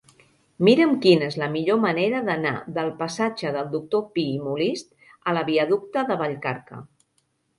Mira'm quina és la millor manera d'anar del passatge del Doctor Pi i Molist a la viaducte de Vallcarca.